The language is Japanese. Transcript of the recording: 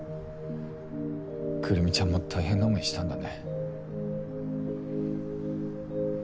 くるみちゃんも大変な思いしたんだね。